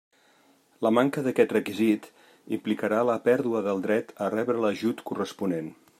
La manca d'aquest requisit implicarà la pèrdua del dret a rebre l'ajut corresponent.